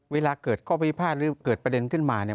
เวลาเกิดข้อพิพาทหรือเกิดประเด็นขึ้นมาเนี่ย